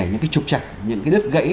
những cái trục chặt những cái đứt gãy